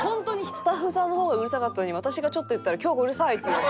スタッフさんの方がうるさかったのに私がちょっと言ったら京子うるさい！って言われて。